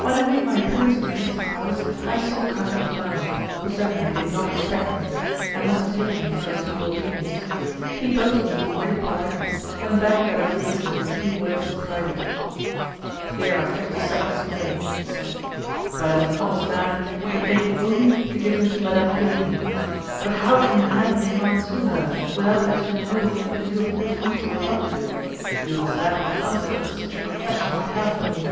When I made my appearance at Narici's house I saw Count Alfani, who certainly did not expect me, and must have taken me for his evil genius. He bowed to me with great politeness, and begged that I would listen to a few words in private. "Here are fifty sequins more," he said; "but as an honest man you can take them only to give them to Madame Querini. But how can you hand the amount to her without letting her know that you have forced me to refund it? You understand what consequences such a confession might have for me."